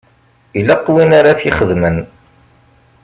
Ilaq win ara t-ixedmen.